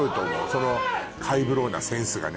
そのハイブローなセンスがね